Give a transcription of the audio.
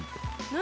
何